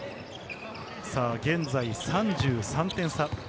現在３３点差。